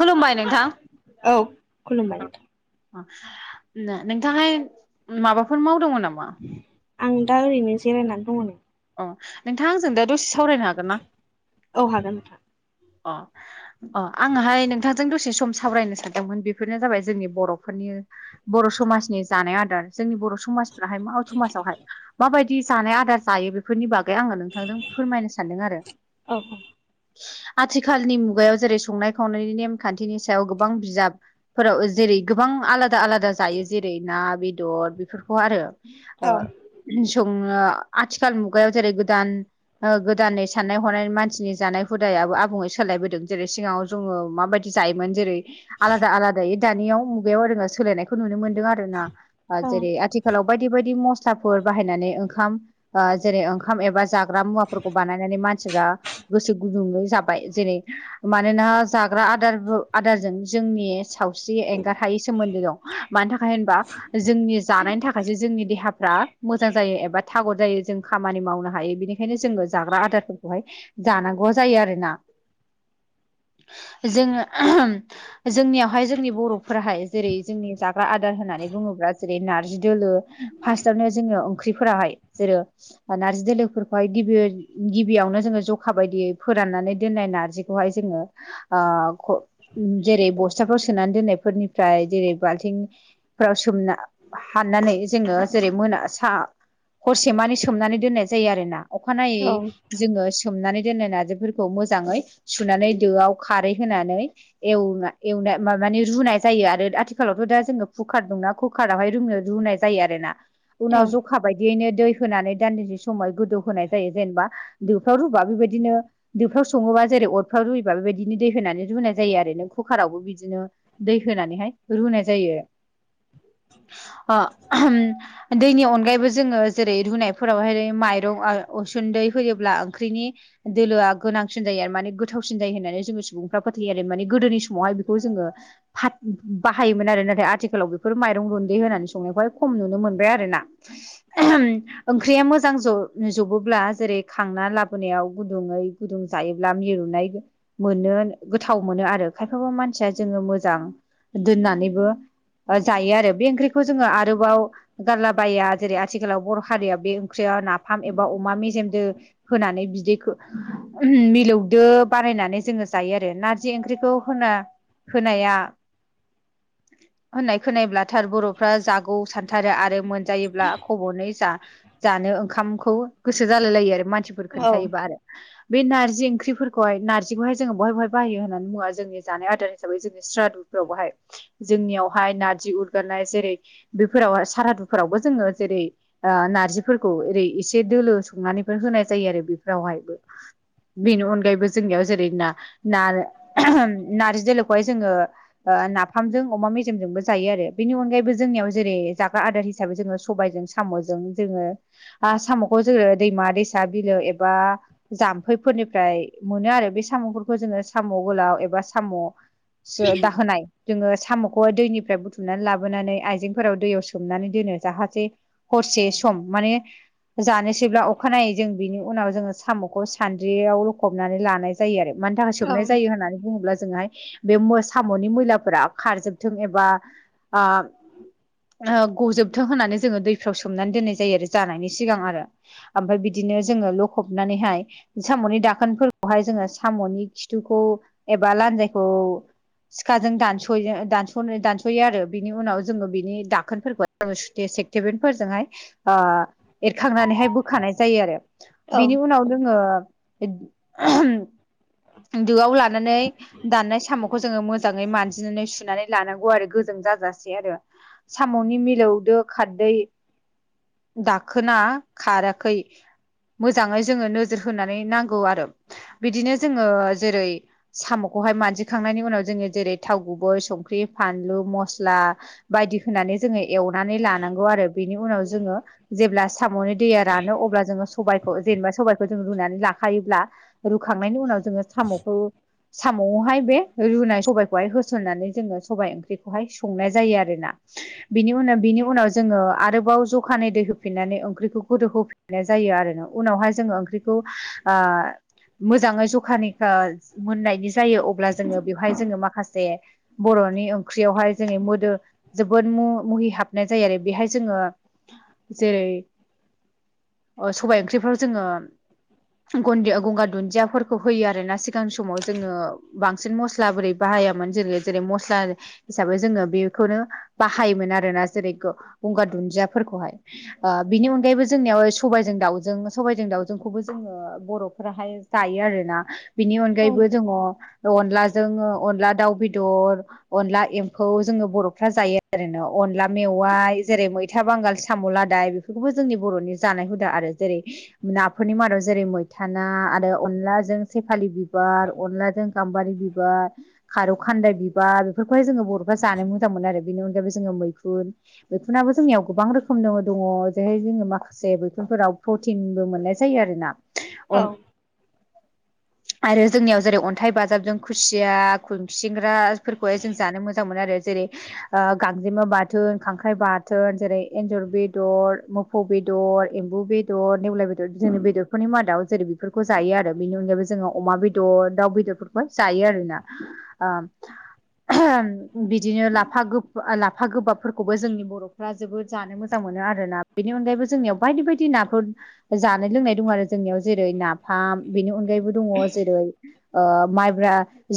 खुलुमबाय नोंथां औ खुलुमबाय नोंथां नोंथांहाय माबाफोर मावदोंङ नामा आं दा ओरैनो जिरायनानै दङनो अ' नोंथाङा आंजों दा दसे सावरायनो हागोन ना औ हागोन नोंथां अ अ आङोहाय नोंथांजों दसे सम सावरायनो सानदोंमोन बेफोरनो जाबाय जोंनि बर'फोरनि बर' समाजनि जानाय आदार जोंनि बर' समाजफ्राहाय मा समाजावहाय माबायदि जानाय आदार जायो बे बेफोरनि बागै आङो नोंथांजों फोरमायनो सानदों आरो औ आथिखालनि मुगायाव जेरै संनाय खावनायनि नेमखान्थिनि सायाव गोबां बिजाब फोराव जेरै गोबां आलादा आलादा जायो जेरै ना बेदर बेफोरखौ आरो औ ओ संनो आथिखाल मुगायाव जेरै गोदान ओ गोदानैनि साननाय हनाय मानसिनि जानाय हुदायाबो आ आबुङै सोलायबोदों जेरै सिगाङाव जोङो माबायदि जायोमोन जेरै आलादा आलादायै दानियाव मुगायाव [unintelligible] सोलायनायखौ नुनो मोनदों आर ना औ जेरै आथिखाल आथिखालाव बायदि बायदि मस्लाफोर बाहायनानै ओंखाम जेरै ओंखाम एबा जाग्रा मुवाफोरखौ बानायनानै मानसिफ्रा गोसो गुदुङै जाब जेरै मानोना जाग्रा आदार आदारजों जोंनि साथ स्रि एंगार हायै सोमोन्दो दं मानि थाखाय होनबा जोंनि जानायनि थाखायसो जोंनि देहा फ्रा मोजां जायो एबा थागर जायो जों खामानि मावनो हायो बेनिखायनो जोङो जाग्रा आदारफोरखौहाय जानांगौ जायो आरोना जोङो जोंनियावहाय जोंनि बर'फोराहाय जेरै जोंनि जाग्रा आदार होननानै बुङोब्ला जेरै नारजि दोलो फास्स्टआवनो जोङो ओंख्रिफोराहाय जेरै नारजि दोलोफोरखौहाय गिबि गिबियावनो जोङो जखा बायदियै फोराननानै दोननाय नारजिखौहाय जोङो। जेरै बस्थाफोराव सोनानै दोननायफोरनिफ्राय जेरै बाल्थिं फाव सोमना हाननानै जोङो जेरै मोना साहा हरसे मान सोमनानै दोननाय जायो आरोना अखानायै औ जोङो सोमनानै दोननाय न बेफोरखौ खौ मोजाङै सुनानै दोआव खारै होनानै ए एवनाय माने रुनाय जायो आरो आथिखालावथ' दा जोङो कुकार दंना [unintelligible] अखा बायदियैनो दै होनानै दान्दिसे समाव गोदौ होनोनाय जायो जेनेबा दोफ्राव रुबा बेबायदिनो दोफ्राव सङोबा जेरै अरफ्राव रुयोबा बेबायदिनो दै होनानै रुनाय जायो आरो नों कुकारावबो बिदिनो दै होनानैहाय रुनाय जायो। दैनि अनगायैबो जोङो जेरै रुनायफोरावहाय माइरं उसुन्दै होयोब्ला ओंख्रिनि दोलो आ गोनांसिन जायो आरो माने गोथावसिन जायो होननानै जोङो सुबुंफ्रा फोथाययो आरो माने गोदोनि समावहाय बेखौ जोङो हाथ बाहायोमोन आरो नाथाय आथिखालाव बेफोर माइरं रन्दै होनानै संनायखौहाय खम नुनो मोनबाय आरोना। [unintelligible] ओंख्रिया मोजां ज जबोब्ला जेरै खांना लाबोनायाव गुदुङै गुदुं जायोब्ला मिरुनाय मोनो गोथाव मोनो आरो खायफाबो मानसिया जोङो मोजां दोननानैबो जायो आरो बे ओंख्रिखौ जोङो आरोबाव गारलाबाया जेरै आथिखालाव बर' हारिया बे ओंख्रिया नाफाम एबा अमा मेजेमजों होनानै बिदैखौ मिलौदो बानायनानै जोङो जायो आरो नारजि ओंख्रिखौ होना होनाया होननाय खोनायोब्ला थार बर'फ्रा जागौ सानथारो आरो मोनजायोब्ला खब'नै जा जानो ओंखामखौ गोसो जालाय लायो आरो मानसिफोर औ खोन्थायायोबा आरो बे नारजि ओंख्रिफोरखौहाय नारजखौहाय जोङो बहाय बहाय बायो होननानै बुङा जोंनि जानाय आदार हिसाबै जोंनि स्रादु फोराव बहाय जोंनियावहाय नारजि उरगारनाय जेरै बेफोराव सारादुफोरावबो जोङो जेरै ओ नार्जिफोरखौ ओरै एसे दोलो संनानैफोर होनाय जायो आरो बेफोरावहायबो बेनि अनगायैबो जोंनियाव जेरै ना नारजि दोलोखौहाय जोङो ओ नाफामजों अमा मेजेमजोंबो जायो आरो बेनि अनगायैबो जोंनियाव जेरै जाग्रा आदार हिसाबै जोङो सबायजों सा साम'जों जोङो साम'खौ जोङो दैमा दैसा बिलो एबा जाम खैफोनिफ्राय मोनो आरो बे साम'फोरखौ जोङो साम' गोलाव एबा साम' जो दाहोनाय जोङो साम'खौ दैनिफ्राय बुथुमनानै लाबोनानै आइजेंफोराव दैयाव सोमनानै दोनो जाहाथे हरसे सम माने जानोसैब्ला अखानायै जों बिनि उनाव जोङो साम'खौ सान्द्रियाव लखबनानै लानाय जायो आरो मानि थाखाय सोबनाय जायो होननानै बुङोब्ला जोंहाय बे साम'नि मैलाफोरा खारजोबथों एबा ओ गजोबथों होननानै जोङो दैफ्राव सोमनानै दोननाय जायो आरो जानायनि सिगां आरो ओमफ्राय बिदिनो जोङो ल'खबनानैहाय साम'नि दाखोनफोरखौहाय जोङो साम'नि खिथुखौ एबा लान्जायखौ सिखाजों दानस' दानस' दानस'यो आरो बिनि उनाव जोङो बिनि दाखोनफोरखौ ससुत सेक्टिभन्फोरजोंहाय एरखांनानैहाय बोखानाय जायो आरो औ बिनि उनाव दोङो [inaudible] दोआव लानानै दाननाय साम'खौ जोङो मोजाङै मानजिनानै सुनानै लानांगौ आरो गोजों जाजासे आरो साम'नि मिलौदो खारदै दाखोना खाराखै मोजाङै जोङो नोजोर होना नांगौ आरो बिदिनो जोङो जेरै साम'खौहाय मानजिखांनायनि उनाव जोङो जेरै थाव गुबै संख्रि फानलु मस्ला बायदि होनानै जोङो एवनानै लानांगौ आरो बेनि उनाव जोङो जेब्ला साम'नि दैया रानो अब्ला जोङो सबायखौ जेनेबा सबायखौ जों रुना लाखायोब्ला रुखांनायनि उनाव जोङो साम'खौ साम'हाय बे रुनाय सबायाइखौहाय होसननानै जोङो सबायाइ ओंख्रिखौहाय संनाय जायो आरोना। बिनि उनाव बिनि उनाव जोङो आरोबाव जखानै दै होफिननानै ओंख्रिखौ गोदो होफिन गायनाय जायो आरोना उनावहाय जोङो ओंख्रिखौ ओ मोजाङै जखानिखा मोननायनि जायो अब्ला जोङो बेवहाय जोङो माखासे बर'नि ओंख्रियावहाय जोङो मोदो जोबोद म मुहि हाबनाय जायो आरो बेहाय जोङो जेरै सबाय ओंख्रिफ्राव जोङो गदि गंगार दुन्दियाफोरखौ होयो आरोना सिगांनि समाव जोङो बांसिन मस्ला बोरै बाहायामोन जोङो जेरै मस्ला हिसाबै जोङो बेखौनो बाहायोमोन आरोना जेरै गं-गंगार दुन्दियाफोरखौहाय। ओ बिनि अनगायैबो जोंनियाव सबायजों दाउजों सबायजों दाउजोंखौबो जोङो बर'फोराहाय जायो आरोना बिनि औ अनगायैबो जोङो अनलाजों अनला दाउ बेदर अनला एम्फौ जोङो बर'फ्रा जायो ओरोना अनला मेवाइ जेरै मैथा बांगाल साम' लादाय बे खौबो जोंनि बर'नि जानाय हुदा आरो जेरै नाफोरनि मादाव जेरै मैथा ना आरो अनलाजों सेफालि बिबार, अनलाजों गाम्बारि बिबार खारौ खान्दाय बिबार बेफोरखौहाय जोङो बर'फ्रा जानो मोजां मोनो आरो। बेनि अनगायै जोङो मैखुन मैखुनाबो जोंनियाव गोबां रोखोमनो दङ'। जेरैहाय जोङो माखासे मैखुनफोराव प्रटिनबो मोननाय जायो आरो। अन औ आरो जोंनियाव जेरै अन्थाइ बाजाबजों खुसिया, खुसिंग्राफोरखौहाय जों जानो मोजां मोजां मोनो आरो। जेरै ओ गांजेमा बाथोन, खांख्राइ बाथोन जेरै एन्जर बेदर म मोफौ बेदर, एम्बु बेदर, नेवलाइ बेदर जोंनो बेदर फोरनि मादाव जेरै बेफोरखौ जायो आरो। बेनि अनगायैबो जोङो अमा बेदर, दाउ बेदरफोरखौ जायो आरोना। ओ [unintelligible] बिदिनो लाफा गोब लाफा गोबाबफोरखौबो जोंनि बर' फ्रा जोबोद जानो मोजां मोनो आरो ना। बेनि अनगायैबो जोंनियाव बायदि बायदि नाफोर जानाय लोंनाय दं आरो। जोंनियाव जेरै नाफाम, बेनि अनगायैबो दङ जेरै ओ माइब्रा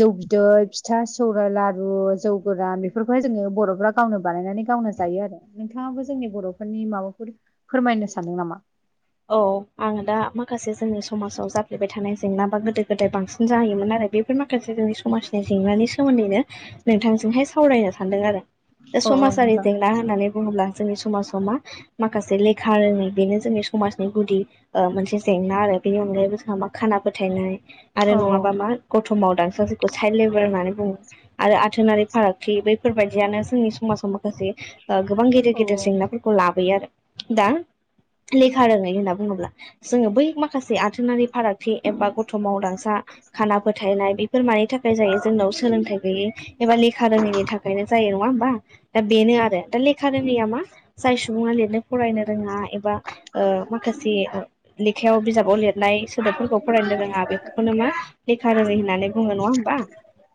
जौ बिदै, फिथा, सौरायाइ, लारु, जौ गोरान बेफोरखौहाय जोङो बर'फ्रा गावनो बानायनानै गावनो जायो आरो। नोंथाङाबो जोंनि बर'फोरनि माबाफोर फोरमायनो सानदों नामा? औ आङो दा माखासे जोंनि समाजाव जाफ्लेबाय थानाय जेंनाबा गोदो गोदाय बांसिन जाहैयोमोन आरो। बे बेफोर माखासे जोंनि समाजनि जेंनानि सोमोन्दैनो नोंथांजोंहाय सावरायनो सानदों आरो‌। बे अ औ समाजारि नोंथां जें ना होननानै बुंङोब्ला जोंनि समाजाव मा माखासे लेखा रोङै बेनो जोंनि समाज समाजनि गुदि ओ मोनसे जेंना आरो। बेनि अनगायैबो जोंहा मा खाना फोथायनाय आरो औ नङाबा मा गथ'मावदांसा जेखौ साइल्ड लेबार होन्नानै बुङो। आरो आथोनारि फारागथि बैफोरबायदियानो जोंनि समाजाव माखासे ओ गोबां गेदेर औ गेदेर जेंनाफोरखौ लाबोयो आरो। दा लेखा रोङै होनना बुङोब्ला, जोङो बै माखासे आथोनारि फाराग थि एबा गथ' मावदांसा, खाना फोथायनाय बेफोर मानि थाखाय जायो जोंनाव सोलोंथाइ गैयै एबा लेखा रोङैनि थाखायनो जायो नङा होमबा? दा बेनो आरो, दा ले खा रोयैया मा जाय सुबुङा लिरनो फरायनो रोङा एबा ओ माखासे लेखायाव बिजाबाव लिरनाय सोदोबफोरखौ फरायनो रोङा। बेफोरखौनो मा लेखा रोङै होननानै बुङो नङा होमबा?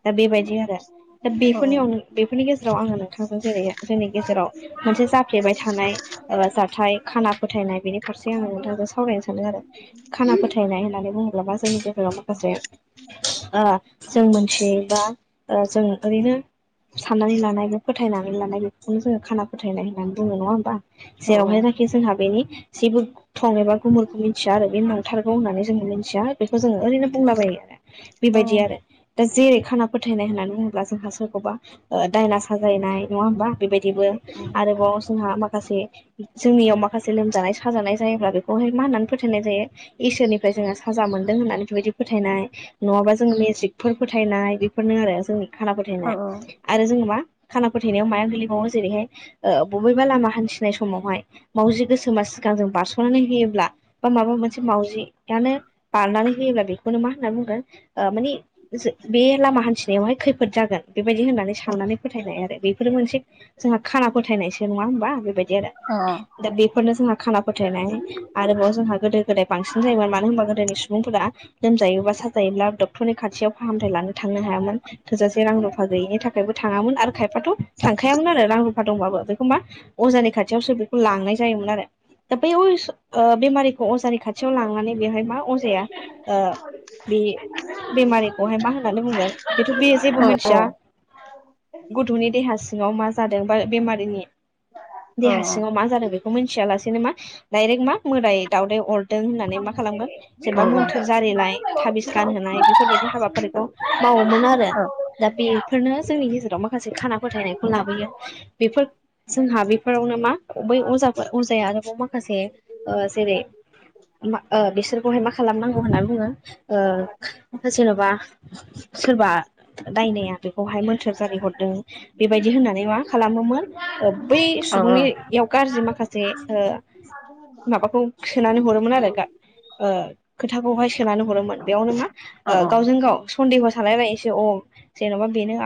दा बेबायदि आरो दा औ बेफोरनि अन बेफोरनि गेजेराव आङो नोंथांनो जेरै जोंनि गेजेराव मोनसे जाफ्लेबाय थानाय ओ जाथाइ खाना फोथायनाय बिनि फारसे आङो नोंथांजों सावरायनो सानदों आरो। खाना फोथायनाय होननानै बुङोब्लाबा मा जायो जोंनियाव माखासे ओ जों मिथियै बा ओ जों ओरैनो साननानै लानाय बे फोथायनानै लानाय बेखौनो जोङो खाना फोथायनाय होननानै बुङो नङा होमबा? औ जेरावहायनाखि जोंहा बेनि जेबो थं एबा गुमुरखौ मिथिया आरो बे नंथारगौ होननानै जों मिथिया बेखौ जोङो ओरैनो बुंलाबायो आरो। औ बेबायदि आरो। दा जेरै खाना फोथायनाय होननानै बुङोब्ला जोंहा सोरखौबा ओ दायना साजायनाय नङा होमबा? बेबायदिबो आरोबाव जोंहा माखासे जोंनियाव माखासे लोमजानाय सा साजानाय जायोब्ला बेखौहाय मा होननानै फोथायनाय जायो इसोरनिफ्राय जोङो साजा मोनदों होननानै बेबायदि फोथायनाय। नङाबा जों मेजिकफोर फोथायनाय बेफोरनो आरो जोंनि खाना अ फोथायनाय आरो जोङो मा खाना फोथायनायाव माया गोलैबावो जेरैहाय बबेबा लामा हान्थिनाय समावहाय मावजि गोसोम मा गांजों बारस'नानै होयोब्ला बा माबा मोनसे मावजि यानो बारनानै होयोब्ला बे बेखौनो मा होनना बुंगोन ओ मानि जो बे लामा हान्थिनायावहाय खैफोद फोद जागोन बेबायदि होननानै साननानै फोथायनाय आरो बेफोर मोनसे जोंहा खाना फोथाय फोथायनायसो नङा होमबा बेबायदि आरो अ दा बेफोरनो जोंहा खाना फोथायनाय आरोबाव जोंहा गोदो गोदाय बांसिन जायोमोन मानो होनबा गोदोनि सुबुंफोरा लोमजायोबा साजायोब्ला डक्टरनि खाथियाव फाहामथाय लानो थांनो हायामोन थोजासे रां रुफा गैयिनि थाखायबो थाङामोन आरो खायफाथ' थांखायामोन आरो रां रुफा दंबाबो बेखौ मा अजानि खाथियावसो बेखौ लांनाय जायोमोन आरो दा बै बेमारिखौ अजानि खाथियाव लांनानै बेवहाय मा अजाया ओ बे बेमारिखौहाय मा होननानै बुंगोन बेथ' बे अ जेबो मिथिया गथ'नि देहा सिङाव मा जादों बा बेमारिनि अ देहा सिङाव मा जादों बेखौ मिथियालासेनो मा डायरेक्ट मा मोदाय दावदाय अरदों औ होननानै मा खालामगोन जेनेबा मोन्थोर जारिनाय थाबिस गानहोनाय बेफोरबायदि हाबाफारिखौ मावोमोन आरो दा बेफोरनो जोंनि गेजेराव म माखासे खाना फोथायनायखौ लाबोयो बेफोर जोंहा बेफोरावनो मा बै अजाफोर अजाया आरोबाव मा माखासे ओ जेरै मा बिसोरखौहाय मा खालामनांगौ होननानै बुङो ओ जेन'बा सोरबा दायनाया बे बहाय मोन्थोर जारि हरदों बेबायदि होननानै मा खालामोमोन ओ बै सुबुंनि बेयाव गाज्रि माखासे माबाखौ सोनानै हरोमोन आरो ओ खोथाखौहाय सोनानैन हरोमोन बेयावनो मा ओ गावजों गाव सन्देहखौ सानलायलायसै अ जेन'बा बेनो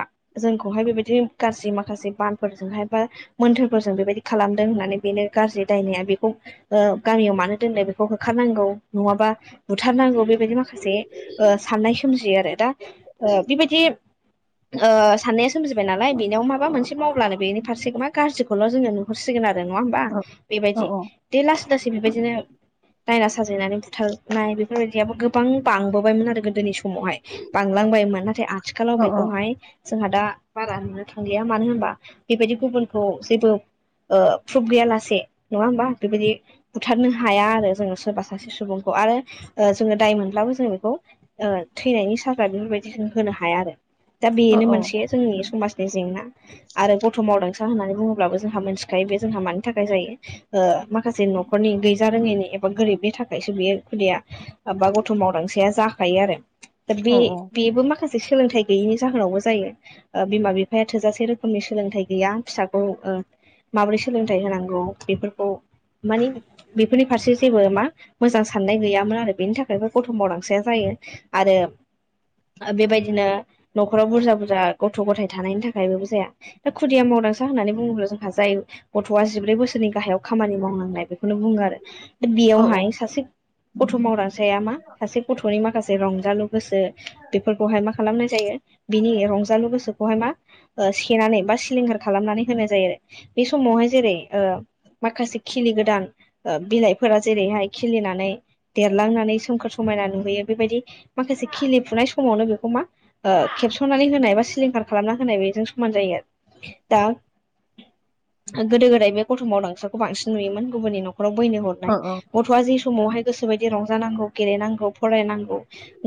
जोंखौहाय बेबायदि गाज्रि माखासे बानफोरजोंहाय बा मोन्थोरफोरजों बेबायदि खालामदों होननानै बेनो गाज्रि दायनाया बेखौ ओ गामियाव मानो दोननो बेखौ होखारनांगौ नङाबा बुथारनांगौ बेबायदि माखासे ओ साननाय सोमजियो आरो दा ओ बेबायदि ओ साननाया सोमजिबाय नालाय बेनियाव माबा मोनसे मावब्लानो बेनि फारसेखौ मा गाज्रि खौल' जोङो नुहरसिगोन आरो नङा होमबा बेबायदि दे लासै लासै बेबायदिनो दायना साजायनानै बुथारनाय बेफोरबायदियाबो गोबां बांबोबायमोन आरो गोदोनि समाव समावहाय बांलांबायमोन नाथाय आथिखालाव बेखौहाय जोंहा दा बारा नुनो थांलिया मानो होनबा बेबायदि गुबुनखौ जेबो प्रुफ गैया लासे नङा होमबा बेबायदि बुथारनो हाया आरो जोङो सोरबा सासे सुबुंखौ आरो जोङो दाय मोनब्लाबो जोङो बेखौ ओ थैनायनि साजा बेफोरबायदि जों होनो हाया आरो दा बेनो मोनसे जोंनि समाज बे जेंना आरो गथ' मावदांसा होननानै बुङोब्लाबो जोंहा मोनथिखायो बे जोंहा मानि थाखाय जायो ओ माखासे न'खरनि गैजा रोङैनि एबा गोरिबनि थाखायसो बियो खुदिया बा गथ' मावदांसाया जाखायो आरो दा बे बेबो माखासे सोलोंथाइ गैयैनि जाहोनावबो जायो ओ बिमा बिफाया थोजासे रोखोमनि सोलोंथाइ गैया फिसाखौ ओ माबोरै सोलोंथाइ होनांगौ बेफोरखौ मानि बेफोरनि फारसे जेबो मा मोजां साननाय गैयामोन आरो बेनि थाखायबो गथ' मावदांसाया जायो आरो बेबायदिनो न'खराव बुरजा बुरजा गथ' गथाय थानायनि थाखायबोबो जाया दा खुदिया मावदांसा होननानै बुङोब्ला जोंहा जाय गथ'आ जिब्रै बोसोरनि गाहायाव खामानि मावनो नाय बेखौनो बुङो आरो दा बेयावहाय सासे गथ' मावदांसाया मा सासे गथ'नि माखासे रंजालु गोसो बेफोर खौहाय मा खालामनाय जायो बिनि रंजालु गोसोखौहाय मा सेनानै बा सिलिंखार खालामनानै होनाय जायो आरो बे समावहाय जेरै माखासे खिलि गोदान बिलाइफोरा जेरैहाय खिलिनानै देरलांनानै सोमखोर समायना नुहोयो बेबायदि माखासे खिलिफुनाय समावनो बेखौ मा खेबस'नानै होनाय बा सिलिंखार खालामना होनाय बेजों समान जायो आरो दा गोदो गोदाय बे गथ' मावदांसाखौ बांसिन नुयोमोन गुबुननि न'खराव बैनो हरनाय गथ' गथ'वा जि समावहाय गोसोोबायदि रंजानांगौ गेलेनांगौ फरायनांगौ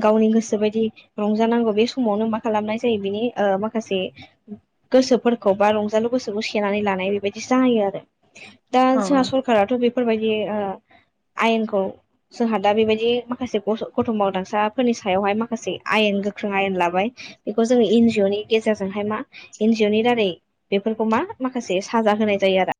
गावनि गोसो बायदि रंजानांगौ बे समावनो मा खालामनाय जायो बिनि ओ माखासे गोसोफोरखौ बा रंजालु गोसोखौ सेनानै लानाय बेबायदि जायो आरो दा औ जोंहा सरखाराथ' बेफोरबायदि ओ आयेनखौ जोंहा दा बेबायदि माखासे गथ' मावदांसाफोरनि सायावहाय माखासे आयेन गोख्रों आयेन लाबाय। बेखौ जोङो एन जिअ नि गेजेरजोंहाय मा एन जि अ नि दारै बेफोरखौ मा माखासे साजा होनाय जायो आरो।